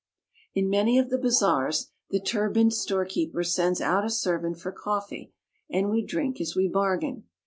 In many of the bazaars the turbaned storekeeper sends out a servant for coffee, and we drink as we bargain.